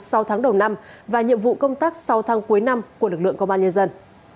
sau tháng đầu năm và nhiệm vụ công tác sáu tháng cuối năm của lực lượng công an nhân dân